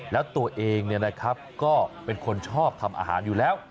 แล้วตัวเองก็เป็นคนชอบทำอาหารอยู่แล้ว